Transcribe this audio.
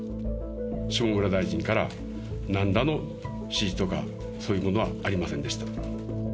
下村大臣から、なんらの指示とか、そういうものはありませんでした。